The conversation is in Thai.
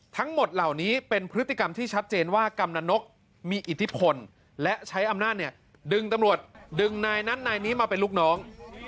ทั้งหมดเหล่านี้เป็นพฤติกรรมที่ชัดเจนว่ากำนันนกมีอิทธิพลและใช้อำนาจดึงตำรวจดึงนายนั้นนายนี้มาเป็นลูกน้อง